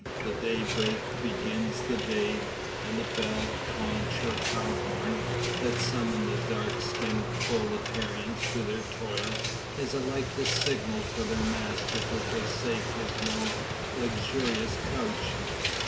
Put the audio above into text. The daybreak begins the day; and the bell, conch, or cow horn, that summons the dark skinned proletarians to their toil, is alike the signal for their master to forsake his more luxurious couch.